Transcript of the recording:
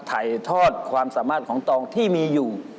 ถ่ายทอดความสามารถของตองที่มีอยู่